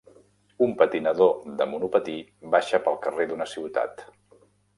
Un patinador de monopatí baixa pel carrer d'una ciutat.